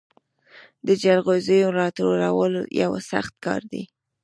د جلغوزیو راټولول یو سخت کار دی.